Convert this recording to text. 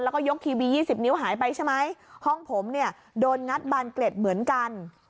แล้วก็ยกทีวี๒๐นิ้วหายไปใช่ไหมห้องผมเนี่ยโดนงัดบานเกล็ดเหมือนกัน